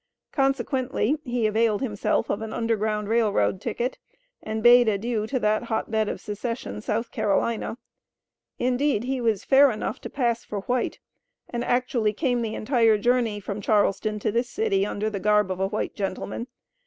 Consequently, he availed himself of an Underground Rail Road ticket, and bade adieu to that hot bed of secession, South Carolina. Indeed, he was fair enough to pass for white, and actually came the entire journey from Charleston to this city under the garb of a white gentleman.